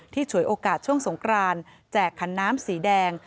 ฉวยโอกาสช่วงสงครานแจกขันน้ำสีแดง